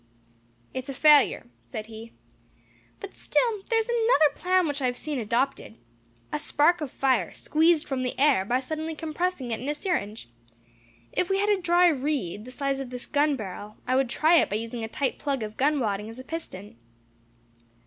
"It is a failure," said he, "but still there is another plan which I have seen adopted a spark of fire squeezed from the air by suddenly compressing it in a syringe. If we had a dry reed, the size of this gun barrel, I would try it by using a tight plug of gun wadding as a piston."